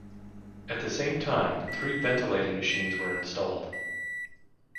At the same time, three ventilating machines were installed.